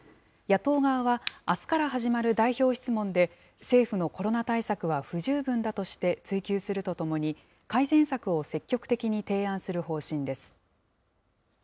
野党側は、あすから始まる代表質問で、政府のコロナ対策は不十分だとして追及するとともに、改善策を積極的に提案する方針です。